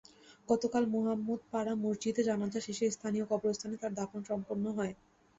গতকাল মোহাম্মাদপাড়া মসজিদে জানাজা শেষে স্থানীয় কবরস্থানে তাঁর দাফন সম্পন্ন হয়।